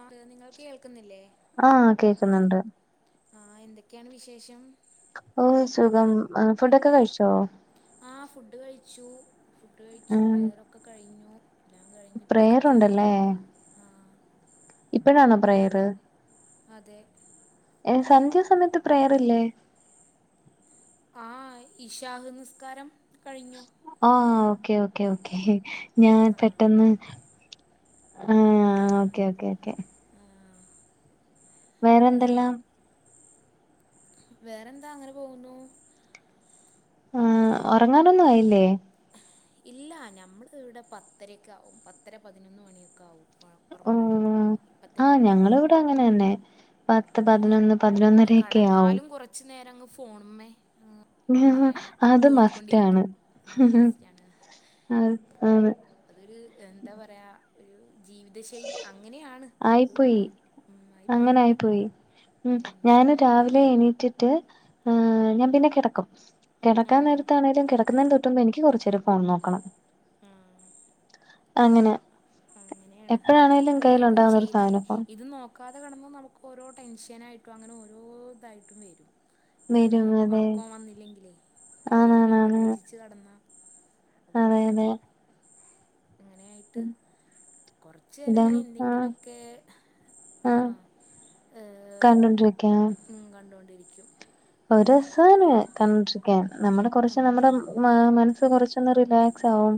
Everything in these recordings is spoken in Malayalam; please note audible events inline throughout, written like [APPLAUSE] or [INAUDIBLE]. ആഹ് നിങ്ങൾക്ക് കേക്കുന്നില്ലേ? ആഹ് കേക്കുന്നുണ്ട് ആഹ എന്തൊക്കെയാണ് വിശേഷം?. ഓ സുഖം അഹ് ഫുഡ്ക്കെ കഴിച്ചോ? ആ ഫുഡ് കഴിച്ചു ഫുഡ് കഴിച്ചും. ഉം പ്രയറൊക്കെ കഴിഞ്ഞു. എല്ലാം കഴിഞ്ഞിപ്പ ഇരിക്കാണ്. പ്രേയറുണ്ടല്ലേ ആഹ് ഇപ്പഴാണോ പ്രയറ്. അതെ ഏ സന്ധ്യാ സമയത്ത് പ്രയർഇല്ലേ? ആഹ് ഇഷാഹ് നിസ്കാരം കഴിഞ്ഞു. ആഹ് ഓക്കെ ഓക്കേ ഓക്കേ ഞാൻ പെട്ടെന്ന്. ആഹ് ഓക്കെ ഓക്കെ ഓക്കെ ആഹ് വേറെന്തെല്ലാം. വേറെന്താ അങ്ങനെ പോകുന്നു. ആഹ് ഒറങ്ങാനൊന്നും ആയില്ലേ? ഇല്ല ഞമ്മൾ ത് ഇവിടെ പത്തരക്ക, ആകും പത്തര, പതിനൊന്ന്, മണിയൊക്കെ ആകും. അ ഒറങ്ങു മ്പോഴേക്കും ഇപ്പത്തന്നെ കിടക്കൊന്നുല്ല. ന്നെ പത്ത്, പതിനൊന്ന്, പതിനൊന്നരൊക്കെ ആവും. ച്ച് നേരം അങ്ങ് ഫോണ് മ്മേ. ഉം ഉം അങ്ങനെ അത് തോണ്ടിക്കൊണ്ടിരിക്കും. മസ്റ്റാണ് അത് മസ്റ്റാണ്. ആഹ് ആണ്. അതൊരു എന്താ പറയാ ഒരു ജീവിത ശൈലി അങ്ങനെയാണ്. അത് ഒരു ഉം ആയിപ്പോയി. പൊയി- ഉം ഞാന് രാവിലെ എണീറ്റിട്ട് എഹ് ഞാൻ പിന്നെ കെടക്കും ആ കിടക്കാ നേരത്താണേലുംകെടക്കുന്നതിന്ന് തൊട്ടുമ്പോ എനി കുറച്ചു നേം ഫോൺ നോക്കണം ആ അങ്ങനെ അങ്ങനെയാണ് എപ്പോഴാണേലും എനക്ക അത് കയ്യിലുണ്ടാവുന്ന ഒരു സാധന ഷീലായി ഫോൺ ഇത് നോ നക്കാതെ കണുമ്പോൾ നമുക്ക് ഓരോ ടെൻഷനായിട്ടും അങ്ങനെ ഓരോ ഇതായിട്ടും വരും ഇങ്ങനെ വരും അതെ ഒറക്കോം വന്നില്ലെങ്കിലേ ഓരോന്നും ആണാണാണ് ആലോചിച്ച് കെടന്ന അപൊ അതെ അതെ അങ്ങനെയായിട്ട് കൊറച്ചു ഇതാ രങ്ങനെ ആഹ് എന്തെങ്കിലൊക്കെ ആഹ് ഏഹ് കണ്ടോണ്ടിരിക്കാം ഉം കണ്ടോണ്ടിരിക്കും ഒരുസാനേ കണ്ടിരിക്കാൻ നമ്മള് ഉം കുറച്ച് നമ്മടെ മ മനസ്സ് കുറച്ചൊന്ന് റിലാക്സ് ആകും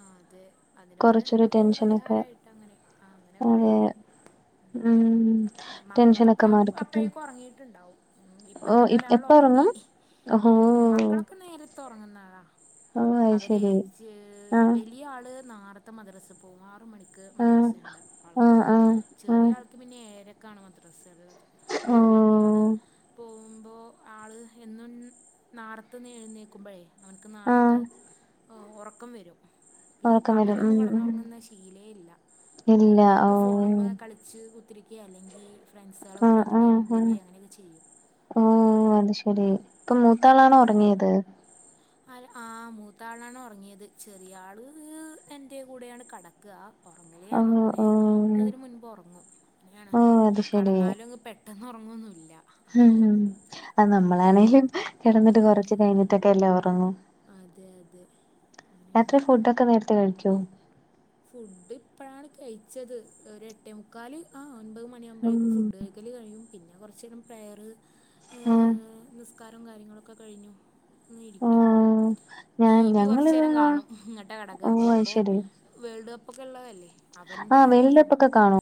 ആഹ് അതെ അതിനൊക്കെ ഒരു ടെൻഷനൊക്കെ പരിഹാരായിട്ട് അങ്ങനെ ആഹ് അങ്ങനെ കാണും അതെ ഉം ടെൻഷനൊക്കെ മക്കളൊക്കെ മാറിക്കിട്ടും അപ്പഴേക്ക് ഉറങ്ങീയിട്ടുണ്ടാവും ഇപ് ഓ ഇപ്പത്തന്നെ ഒരാള് എപ്പ ഒറങ്ങി ഒറങ്ങും ഓഹോ ഉം മക്കളൊക്കെ നേരത്ത് ഒറങ്ങുന്നളാ ഓ അത് അവരെ ശരി ജ് ആഹ് വലിയ ആള് നാരത്തെ മദ്രസേ പോകും ആറ് മണി ക്ക് ആഹ് മദ്രസ ഉണ്ട് ആൾക്ക് ആഹ് ആഹ് ചെറിയ ആഹ് ആൾക്ക് പിന്നെ ഏരൊക്കെണ് മദ്രസ ഉള്ളത് ഓ അപ്പോ വലിയ ആള് പോ വുമ്പോ ആൾ എന്നും നാർത്തു നിന്ന് എഴുന്നേക്കുമ്പോഴേ അവർക്ക് നേർത്തെ ആഹ് ഉറക്കം വരും പിന്നെ ഒറക്കം വരും പകലൊന്നും ഉം ഉം കടന്നുറങ്ങുന്ന ശീലേ ഇല്ല... ഇല്ല ഓ അപ്പോഴൊക്കെ ഫോണുമ്മേ കളി ളിച്ച് കുത്രിക്കെ അല്ലെങ്കി ഫ്രണ്ട്സുകളെ കൂടെ ആഹ് ആഹ് എങ്ങട്ടെങ്കിലും ആഹ് പോവേ അങ്ങനെക്കെ ചെയ്യും ഓ അത് ശരി... ഇപ്പൊ മൂത്താളാണോ ഉറങ്ങിയത് ആ ആ മൂത്താളാണ് ഉറങ്ങിയത് ചെറിയ ആള് എന്റെ കൂടെയാണ് കെടക്ക ഉറങ്ങല് ഓ ഞാൻ ഓ ഉറങ്ങുന്നതിന് മുൻപ് ഉറങ്ങും.. അങ്ങനെയാണ്.. ഓ അത് കടന്നാലും പെ പെട്ടെന്ന് ഉറങ്ങൊന്നുല്ല ഹം അ നമ്മളാണെങ്കലും കിടന്നിട്ട് കുറച്ച് കഴിഞ്ഞിട്ടൊക്കെ അല്ലേ ഉറങ്ങു അതെ അതെ അങ്ങനെയാണ് രാത്രി ഫുഡോക്കെ നേരത്തെ കഴിക്കോ ഫുഡ് ഇപ്പഴാണ് കഴിച്ചത്... ഒരു എട്ടേ മുക്കാല് ആ ഒൻപത് മണിയാകുമ്പോഴേക്കും ഉം ഫുഡ് കഴ കഴിയും പിന്നെ കുറച്ച നേരം പ്രയർ.. ഹ്... ആഹ് നിസ്കാ ക്കാരും കാര്യങ്ങളൊക്കെ കഴിഞ്ഞു ഇരിക്കും ആഹ് ടി ഞാൻ വി കുറച്ചു ഞങ്ങളിത് നേേരം ആഹ് കാണും എന്നിട്ടാ കിടക്കാ. ഓഹ് അത് ഇപ്പോൾ ശരി വേൾഡ് കപ്പ് ഒക്കെ ഉള്ളതല്ലേ അവൻറെ ആഹ് വേൾഡ് കപ്പൊക്കെ കാണോ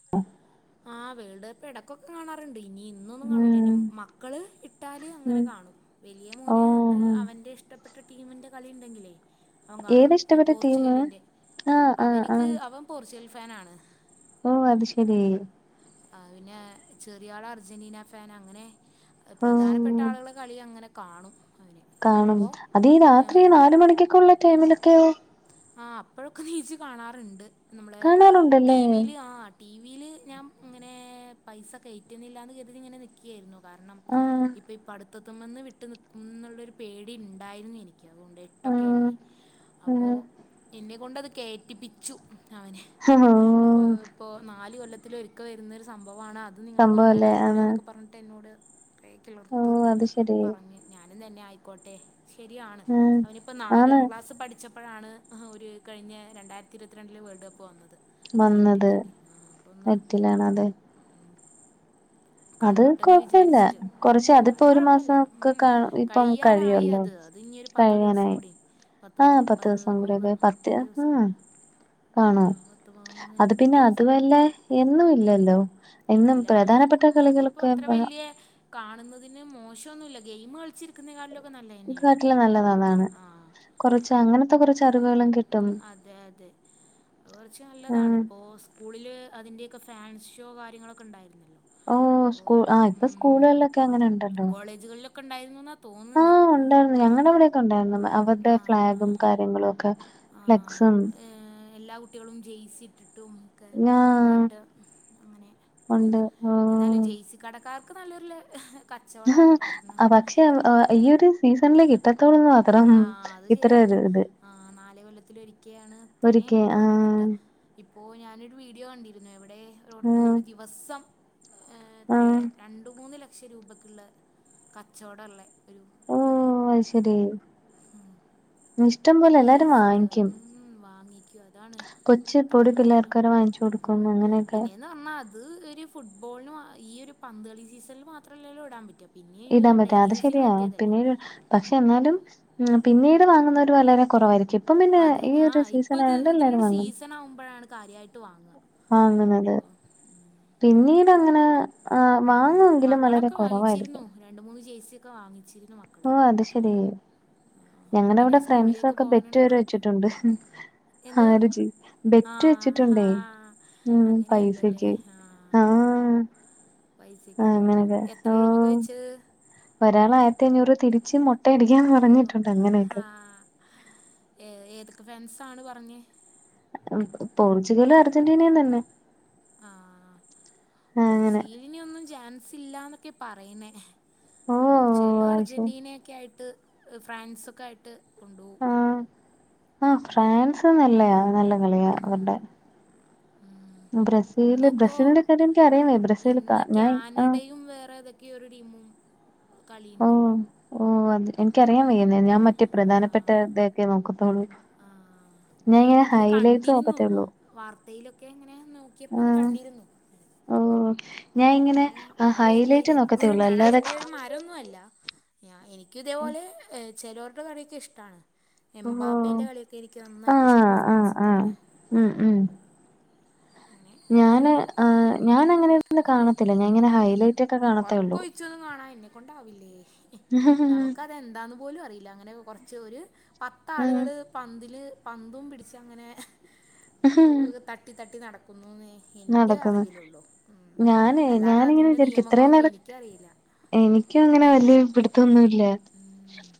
ആഹ്.. വേൾഡ് കപ്പ് ഇടക്കൊക്കെ കാണാറുണ്ട് ഇനി ഇന്നൊന്നും കാണൂല.. ഉം എന്റെ മക്കള് ഇട്ടാല് അങ്ങനെ ഉം കാണും.. വലിയ മോന് ഓഹ് അവന്റെ ഇഷ്ട ഇഷ്ടപ്പെട്ട ടീമിന്റെ കളി ഉണ്ടെങ്കിലേ അവൻ കാണും ഏതാ ഈ ഇഷ്ടപ്പെട്ട ടീമ് പോർച്ചുഗലിന്റെ ആഹ് ആഹ് അവനിക്ക് അവൻ പോർച്ചുഗൽ ഫാനണ് ഓ അത് ശരി ആ പിന്നെ ചെറിയ ആള് അർജന്റീന ഫാൻ അങ്ങനെ പ്രധാനപ്പെട്ട ഓഹ് ആളുകൾ കളി അങ്ങനെ കാണും അവന് കാണും ഇപ്പോൾ അതീഈ രാത്രി നാല് മണിക്കൊക്കെ ഉള്ള ടൈമിലൊക്കെയോ ആ അപ്പോഴൊക്കെ നീച് കാണാറുണ്ട് നമ്മളെ ടി കാണാറുണ്ടല്ലേ വിൽ ആ ടി വിയിൽ ഞാൻ ഇങ്ങനെ പൈസ കയറ്റിന്നില്ലാന്ന് കരുതി ഇങ്ങനെ നിക്കയായിരുന്നു കാരണം ആഹ് ഇപ്പൊ പഠിത്തതിമ്മിന്ന് വിട്ടു നിക്കുന്നുള്ളൊരു പേടി ഉണ്ടായിരുന്നു എനിക്ക് ആഹ് [UNINTELLIGIBLE] അപ്പോൾ ആഹ് എന്നെ കൊണ്ടത് കേറ്റിപ്പിച്ചു അവൻ [UNINTELLIGIBLE] ഇപ്പൊ.. നാല് കൊല്ലത്തില് ഒരിക്ക വരുന്നരു സംഭവമാണ് അത് അത് നിങ്ങൾ സംഭവല്ലേ കാണാനയക്കൂല്ല ആണ് എന്നൊക്കെ പറഞ്ഞിട്ട് എന്നോട് കിളർത്ത് ഓഹ് അത് ശരി പറഞ്ഞ് ഞാനും തന്നെ ആയിക്കോട്ടെ ശരിയാണ് ആഹ് അവനിപ്പോൾ ആണ് നാലാം ക്ലാസ്സ് പഠിച്ചപ്പോഴാണ് ആ ഒരു കഴിഞ്ഞ രണ്ടായിരത്തി ഇരുപത്തിരണ്ടില് വേൾഡ് കപ്പ് വന്നത് വന്നത് [UNINTELLIGIBLE] ആ അപ്പ ഒന്ന് നെറ്റിലാണത് അത് കണ്ടോട്ടന്ന് കൊഴപ്പല്ല വിചാരിച്ചിട്ട്.. കൊറച്ച് ഉം.. അതിപ്പോ അത് ഒരു കൊഴപ്പല്ല.. മാസം ഒക്കെ ഉം.. കാണും ഇപ്പം കഴിയാനായി കഴിയുവല്ലോ അത് അത് ഇനിരു പത്തു ദിവസം കഴിയാനായി കൂടി പത്ത് ആഹ് ദിവസം പതിമൂന്ന് കൂടെയൊക്കെ പത്ത് ദിവസം കൂടി ആഹ് കാണും ആഹ്.. പത്ത് പതിമൂന്ന് അത് പിന്നെ ദിവസം കൂടി... അതുവല്ല എന്നും ഇല്ലല്ലോ എന്നും ഇല്ലഹ്.. പ്രധാനപ്പെട്ട അതിപ്പോ കളികളൊക്കെ അത്ര വല്യ കാണുന്നതിന് മോശൊന്നുല്ല.. ഗെയിം കളിച്ചി നോക്കുന്നകളിലൊക്കെ നല്ലതന്നെയാണ് അങ്ങനെയൊക്കെ കാണുന്നത് ആ... കുറച്ച് അങ്ങനത്തെ കുറച്ച് അറിവുകളും കിട് അതെ അതെ അത് കുറച്ച് നല്ലതാണ് ആഹ് ഇപ്പോ സ്കൂ സ്കൂളിൽ അതിൻ്റെയൊക്കെ ഫാൻസ് ഷോ കാര്യങ്ങളൊക്കെ ഉണ്ടായിരുന്നല്ലോ ഓഹ് സ്കൂ ഒഹ്.. ആഹ് ഇപ്പൊ ഉം.. സ്കൂളുകളിലൊക്കെ അങ്ങനെ ഉണ്ടല്ലോ കോളേജുകളിലൊക്കെ ഉണ്ടായിരുന്നുന്നാ തോന്നുന്നെ ണ്ടയിരുന്നു.. ഞങ്ങളടെ ഇവിടെയൊക്കെ ഉണ്ടായിരുന്നു അവരുടെ ഫ്ളാഗും ആഹ് കാര്യങ്ങളും ഒക്കെ ആഹ്... ഫ്ലെക്സും എല്ലാ കുട്ടികളും ജയ്‌സി ഇട്ടിട്ടും ക്കെ.. ഞാ ആയിട്ട് അങ്ങനെ.. ഉണ്ട് എന്തായാലും ജയ്‌സി കടക്കാർക്ക് നല്ലൊരു കച്ചോടായി.. ത്രെന്നെ ആഹ് പക്ഷെ ഈ ഒരു സീസണില് കിട്ടത്തൊള്ളൂ ആ അത് ശരിയാണ്.. ആ നാല് കൊല്ലത്തില ഒരിക്കയാണ് ഇത്രയും ഒരിക്കെ തോനെ കിട്ടാ... ആഹ് ഇപ്പോൊ ഞാനൊരു വീഡിയോ കണ്ടിരുന്നു എവിടെ രോർത്ത് ആഹ് ഒരു ദിവസം ഏഹ് എത്രയ ആഹ് രണ്ട് മൂന്ന് ലക്ഷം രൂപയ്ക്കുള്ള കച്ചവടള്ള ഒരു ഇത് ഓഹ് അത് ശരി ഇഷ്ടം പോലെ എല്ലാരും വാങ്ങിക്കും മ്മ്ഹ് വാങ്ങിക്കൂ അതാണ് കൊച്ചു ഇത്ര പൊടി പിള്ളേർക്ക് എന്തായാലും വരെ വാങ്ങിച്ചു കൊടുക്കും മ് അങ്ങനെയൊക്കെ പിന്നെയ നമ്മ അത് അത് ഒരു ഫുട്ബോളിന് ഈ ഒരു പന്തളി സീസണില് മാത്രമല്ലല്ലോ ഇടാൻ പറ്റും ഇടാൻ പറ്റ്ക അത് ശരിയാ പിന്നെ ഒരു പക്ഷെ എന്നാലും പിന്നീട് വാങ്ങുന്നവർ വളരെ കുറവായിരിക്കും ഇപ്പം പിന്നെ അതെ ഈ ഒരു ആഹ് സീസൺ ഇപ്പൊ ഇത് ആയോണ്ട് എല്ലാരും ഇതിനരു വാങ്ങും സീസൺ ആവുമ്പോഴാണ് കാര്യമായിട്ട് വാങ്ങുക വാങ്ങുന്നത് പിന്നീട് അങ്ങനെ ആഹ് ഉം വാങ്ങുങ്കിലും വളരെ മക്കളൊക്കെ വാങ്ങിച്ചിരുന്നു കുറവായിരിക്കും രണ്ട് മൂന്ന് ജെഴ്സിയൊക്കെ വാങ്ങിച്ചിരുന്നു മ ഓഹ് അത് ശെരി ഞങ്ങളുടെ ഇങ്ങനെ അവിടെ സ്കൂളിലേക്ക് ഫ്രണ്ട്സൊക്കെ ബെറ്റ് പോകാനാണെന്ന് വരെ പറഞ്ഞിട്ട് വെച്ചിട്ടുണ്ട് ഹ എന്തോ രുജി ബെറ്റ് ആഹ് വെച്ചിട്ടുണ്ടേ ആഹ് മ് അങ്ങനെയുണ്ടല്ലേ പൈസച്ച് ആഹ് പൈസക്കൊ അങ്ങനൊക്കെ എത്ര ഓ രൂപക്കാ വെച്ചത് ഒരാൾ ആയിരത്തി അഞ്ഞൂറ് തിരിച്ച് മുട്ടയടിക്കാന്ന് ഓ പറഞ്ഞിട്ടുണ്ട് ആ അങ്ങനെയൊക്കെ ഏ ഏതൊക്കെ ഫ്രൻസാണ് പറഞ്ഞെ പോർച്ചുഗലും അർജന്റീനയും തന്നെ ആഹ് ആഹ് അങ്ങനെ ബ്രസീലിനൊന്നും ചാൻസ് ഇല്ലന്നൊക്കെയ പറയുന്നെ ഓ പോർച്ചുഗലോ അയ്ശോ അർജന്റീനയൊക്കെ ആയിട്ട് ഫ്രാൻസൊക്കെയായിട്ട് കൊണ്ടുപോകും ആഹ് ആഹ് ഫ്രാൻസ് നല്ലയ നല്ല കളിയാ അവരുടെ ഉം ബ്രസീല് ഇന്നിപ്പോ ബ്രസീലിന്റെ കളി എനക്ക് [UNINTELLIGIBLE] ഇന്ന് ക്യാനഡയും വേറെ ഏതൊക്കെയൊ ഒരു ടീമും കളിയുണ്ടല്ലോ ഓഹ് അത് എനിക്കറിയൻ വയ്യന്നേ ഞാൻ മറ്റേ ആ പ്രധാനപ്പെട്ടവർടെ ഒക്കെയേ നോക്കത്തോള്ളൂ ആഹ് ഞാൻ ഇങ്ങനെ ഇതില് ഹൈ ലൈറ്റ്സ് കണ്ടിരുന്നു നോക്കത്തേ ഉള്ളൂ വാർത്തയിലൊക്കെ എങ്ങനെ നോക്കിയപ്പോ അത് കണ്ടിരുന്നു ഓ ഞാൻ അപ്പൊ ഇങ്ങനെ അങ്ങനെ ആ ഒരു ഓർമ്മയില് ഹൈലൈറ്റ് നോക്കത്തേ എപ്പോഴും ഉള്ളൂ ഞാൻ അല്ലാതെ അതിന്റെ ഒരു [UNINTELLIGIBLE] എനിക്കും ഇതേപോലെ ചേലോർടെ കളിയൊക്കെ ഇഷ്ട്ടാണ് ഓ എമ്പാബേ ബാബേന്റെ കളിയൊക്കെ എനിക്ക് നന്നായിട്ടിഷ്ടാണ് ഫ്രൻസത്തെ മ് മ് അങ്ങനെ അത്രേ ഞാന് ഉള്ളൂ ആഹ് ഞാനങ്ങനെയിരുന്നു കാണത്തില്ല ഞാങ്ങനെ മ് ഉറക്കൊഴിച്ചൊന്നും കാണാ എന്നെക്കൊണ്ടാവില്ലേ നമുക്ക് എന്താന്ന് പോലും അറിയില്ല അങ്ങനെ കുറച്ച് ഒരു പത്ത ഉം ആളുകള് പന്തില് പന്തും പിടിച്ച് അങ്ങനെ തട്ടി തട്ടി നടക്കുന്നുന്നേ എന്റെ നടക്കുന്നു അറിവിലുള്ളോ മ് ഞാന് അല്ലാതെ അതിന്റെ നിയമങ്ങളൊന്നും എനിക്കറിയില്ല എനിക്കങ്ങനെ വലിയ പിടുത്തൊന്നുല്ല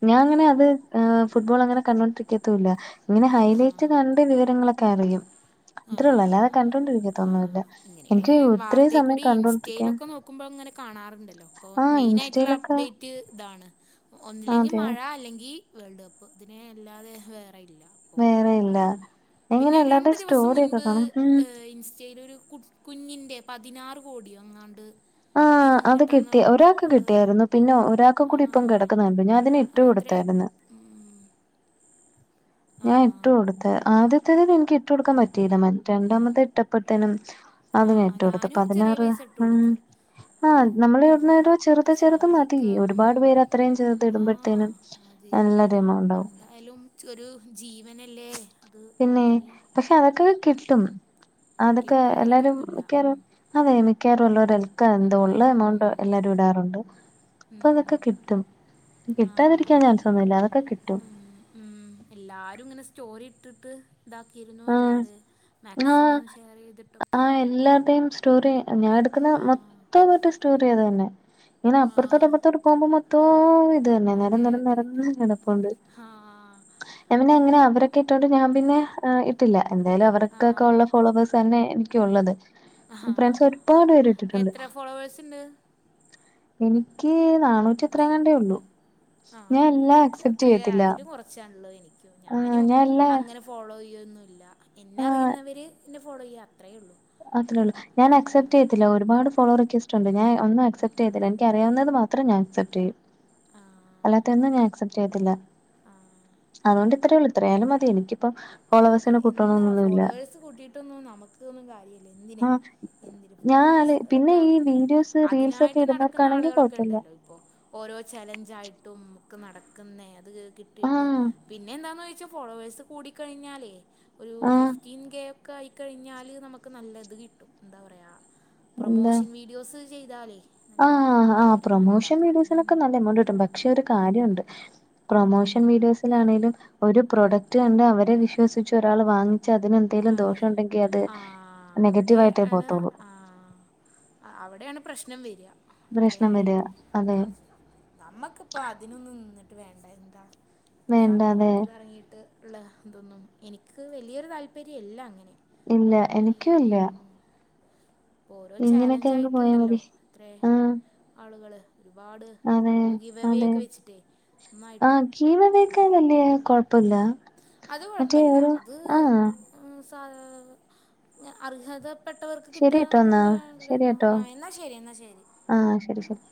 ഞാ അങ്ങനെ അത് ആഹ് ഫുട്ബോളങ്ങനെ കണ്ടോൊണ്ടിരിക്കത്തുല്ല ഇങ്ങനെ ആ ഹൈലൈറ്റ് കണ്ട് വിവരങ്ങളൊക്കെയറിയും ഇത്രേള്ളൂ അല്ലാതെ കണ്ടോണ്ടിരിക്കത്തൊന്നുല്ല ആഹ് ഇങ്ങനെ എനിക്ക് ഒത്തിരി സമയം വാർത്തയക്കൂടി കണ്ടോണ്ടിരിക്കാൻ ഇൻസ്റ്റയിലൊക്കെ നോക്കുമ്പോ ഇങ്ങനെ കാണാറുണ്ടല്ലോ അപ്പോ ആഹ് മെയിനായിട്ടുള്ള ഇൻസ്റ്റയിലൊക്കെ അപ്ഡേറ്റ് മറ്റ് ഇതാണ് ഒന്നില്ലെങ്കിൽ അതെ മഴ അല്ലെങ്കിൽ വേൾഡ് കപ്പ് ഇതിനെ അല്ലാതെ വേറെ ഇല്ല അപ്പോ വേറെ ഇല്ല അ എങ്ങനെ പിന്നെ രണ്ട് എല്ലാവരുടെയും ദിവസം സ്റ്റോറിയൊക്കെ മുൻപ് കാണും ഉം ഇൻസ്റ്റയിലരു കു കുഞ്ഞിൻ്റെ പതിനാറ് കോടി ഒങ്ങാണ്ട് ആഹ് പിരിഞ്ഞ് അത് കിട്ടാന്ന് കിട്ടി പറഞ്ഞിട്ട് ഒരാൾക്ക് അതാ കിട്ടിയായിരുന്നു പിന്നെ ഒരാൾക്ക് കൂടി ഇപ്പം ആഹ് കിടക്കുന്നുണ്ട് ഞാൻ അതിന് ആ ഇട്ട് എത്രയാ കൊടുത്തായിരുന്നു മ് ഹ് ഞാൻ ഇട്ടു കൊടുത്ത ആദ്യത്തേതിനു എനിക്ക് ഇട്ടു കൊടുക്കാൻ പറ്റിയില്ല മറ്റ രണ്ടാമത്തെ ഇട്ടപ്പോഴത്തേനും അത് ആ ഞാ ഇട്ടുകൊടുത്തെ ഞാനും ചെറിയ പതിനാറ് പൈസ ഇട്ട് ഉം കൊടുത്ത് ആഹ് ഒരു നമ്മള ആ, ഇടുന്ന ചെറുത് ചെറുത് മതി സഹായിക്കുക ഒരുപാട് ഉം. പേര് അത്രയും ചെറുത് ആ ഇടുമ്പോഴത്തേന് അതെ നല്ലൊരു എമൗണ്ടാവും എന്തായാലും ഒരു ജീവനല്ലേ അത് പിന്നെ ഇത്രയും പക്ഷെ അതൊക്കെ കിട്ടും അതൊക്കെ എല്ലാരും കിട്ടാതിരിക്കൊന്നുമില്ല ഉം. മിക്കാറും അതേ നിക്കറും ഉള്ളവർ [UNINTELLIGIBLE] എന്താ ഉള്ള എമൗണ്ട് ഉം. എല്ലാരും ഇടാറുണ്ട് അപ്പൊ ഉം. അതൊക്കെ കിട്ടും ആ കിട്ടാതിരിക്കാൻ ചാൻസൊന്നുമില്ല അതൊക്കെ കിട്ടും ഉം. ഉം എല്ലാരും ഇങ്ങനെ സ്റ്റോറി ഇട്ടിട്ട് ഇതാക്കിയിരുന്നു ആഹ് എല്ലാവര് ആഹ് മാക്സിമം ഷെയർ ചെയ്തിട്ടൊക്കെ ആഹ് എല്ലാരുടെയും സ്റ്റോറി ഞാൻ എടുക്കുന്ന ആ മൊത്തം പേരുടെ സ്റ്റോറി അത് തന്നെ ഇങ്ങനെ അപ്പുറത്തോട്ട് ആഹ് അപ്പുറത്തോട്ട് പോകുമ്പോ മൊത്തം ഇത് തന്നെ നെര അതെ നെര അതെ നെരന്ന് കടപ്പോണ്ട് ആഹ് [UNINTELLIGIBLE] എങ്ങനെ അവരൊക്കെ അതോണ്ട് ഞാൻ പിന്നെ ഇട്ടില്ല എന്തായാലും അവർക്കൊക്കെ ഉള്ള ആഹ് ഫോളോവേഴ്സ് തന്നെ എനിക്കും ഒള്ളത് ഫ്രണ്ട്സ് ഒരുപാട് പേര് ഇട്ടിട്ടുണ്ട് ഫോളോവേഴ്സ് ഉണ്ട് എനിക്ക് നാണൂ‌റ്റി ഇത്രയെങ്ങാണ്ടെ ഉള്ളൂ ഞാൻ ആഹ് എല്ലാം എനിക്ക് അക്സെപ്റ്റ് അത്രേ ചെയ്യത്തില്ല അതില് കൊറച്ചേ ഒള്ള് എനിക്കും ആഹ് ഞാനും ഞാൻ എല്ലാ അങ്ങനെ ഫോളോ ചെയ്യോന്നും ഇല്ല എന്നെ ആഹ് അറിയുന്നവര് എന്നെ ഫോളോ ചെയ്യ അത്രേ ഉള്ളൂ അത്രേ ഉള്ള ഞാൻ അക്സെപ്റ്റ് ചെയ്യത്തില്ല ഒരുപാട് ഫോളോ റിക്വസ്റ്റ് ഉണ്ട് ഞാൻ ഒന്നും അക്സെപ്റ്റ് ചെയ്യത്തില്ല [UNINTELLIGIBLE] അറിയാവുന്നത് മാത്രം ഞാൻ അക്സെപ്റ്റ് ചെയ്യും ആഹ് അല്ലാത്ത ഒന്നും ഞാൻ അക്സെപ്റ്റ് ചെയ്യത്തില്ല ആഹ് അതുകൊണ്ട് ഇത്രേള്ളു ഇത്രയാലും മതി എനിക്കിപ്പം ഫോളോവേസിനെ കൂട്ടണൊന്നൊന്നുമില്ല [UNINTELLIGIBLE] കൂട്ടിട്ടൊന്നും നമ്ക്കൊന്നും കാര്യ ലെന്തിന് ആഹ് എന്തിന് ഞാൻ ഫോളോവേഴ് പിന്നെ അതൊക്കെ ഈ വീഡിയോസ് റീൽസ് ഒക്കെ അതിനായിട്ട് നടക്കുന്ന ഇടുന്നവർക്കാണെങ്കിൽ ആളുകളൊക്കെ കുഴപ്പമില്ല ഉണ്ടല്ലോ ഇപ്പോ ഓരോ ചലഞ്ച് ആയിട്ടും ഒക്കെ നടക്കുന്നേ അത് കിട്ടിയിട്ട് ആഹ് പിന്നെ എന്താണന്ന് ചോദിച്ചാൽ ഫോളോവേഴ്സ് കൂടിക്കഴിഞ്ഞാലേ ഒരു ആഹ് ഫിഫ്റ്റീൻ കെ ഒ കെ ആയിക്കഴിഞ്ഞാല് നമുക്ക് നല്ലത് കിട്ടും എന്താ പറയാ പ്രൊമോഷൻ വീഡിയോസ് ചെയ്താലെ ആഹ ആഹ് ആ പ്രൊമോഷൻ വീഡിയോസിനൊക്കെ നല്ല എമൗണ്ട് കിട്ടും പക്ഷെ ഒരു കാര്യമുണ്ട് പ്രൊമോഷൻ വീഡിയോസിലാണെങ്കിലും ഒരു പ്രൊഡക്റ്റ് കണ്ട് അവരെ വിശ്വസിച്ച് ഒരാൾ വാങ്ങി ച്ച് അതിന് എന്തേലും അതെ ദോഷം ഉണ്ടെങ്കിൽ അത് ആ അവിടെ നെഗറ്റീവ് ആയിട്ടേ ആണ് പോത്തോള്ളൂ ആ അവിടെയാണ് പ്രശ്നം വരിക പ്രശ്നം വരിക അതെ നമ്മക്കിപ്പം അതിനൊന്നും നിന്നിട്ട് വേണ്ട എന്താ വേണ്ട അതെ സമൂഹത്ത് കറങ്ങീട്ട് ഉള്ള ഇതൊന്നും എനിക്ക് വലിയൊരു താല്പര്യല്ല അങ്ങനെ ഇല്ല എനിക്കും ഇല്ല ഇപ്പൊ ഓരോ ഇങ്ങനെയൊക്കെ ചാലഞ്ച് അങ്ങ് പോയാ ആയിട്ടുണ്ടല്ലോ മതി ഇത്രേ ആഹ് ആളുകള് ഒരുപാട് അതെ ആളുകള് ഗീവെവേക്കെ വെച്ചിട്ടേ നന്നായിട്ട് ഗീവെവേക്കെ നല്ലയാ കൊഴപ്പില്ല അത് കുഴപ്പില്ല അത് സ [UNINTELLIGIBLE] അർഹത പെട്ടവർക്ക് ശരിട്ടോ എന്നാ ശരിട്ടോ [UNINTELLIGIBLE] എന്നാ ശരി എന്നാ ശരി ആഹ് ശരി ശരി